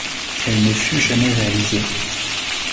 Elle ne fut jamais réalisée.